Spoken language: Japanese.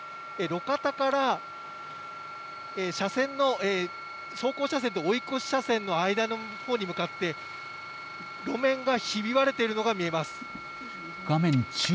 路肩から走行車線と追い越し車線の間のほうに向かって、路面がひび割れているのが見えます。